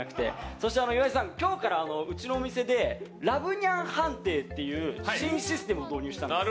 そして、岩井さん今日からうちのお店でラブニャン判定という新システムを導入したんです。